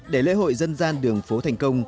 để lễ hội dân gian đường phố thành công